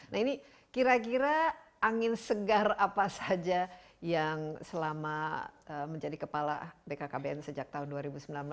nah ini kira kira angin segar apa saja yang selama menjadi kepala bkkbn sejak tahun dua ribu sembilan belas